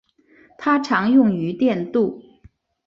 它常用于电镀。